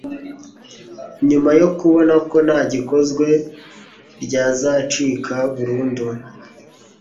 nyuma yo kubona ko nta gikozwe ryazacika burundu.